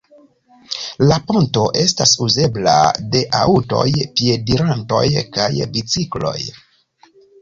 La ponto estas uzebla de aŭtoj, piedirantoj kaj bicikloj.